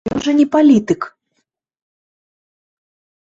Ён жа не палітык!